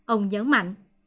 ông nhấn mạnh